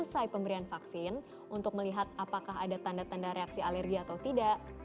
dan usai pemberian vaksin untuk melihat apakah ada tanda tanda reaksi alergi atau tidak